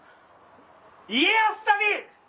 家康旅。